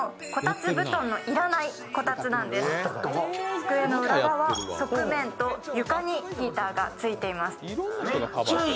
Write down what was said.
机の裏側、側面と床にヒーターがついています。